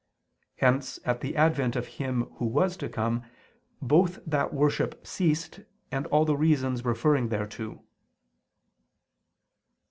Hence, at the advent of Him Who was to come, both that worship ceased, and all the reasons referring thereto.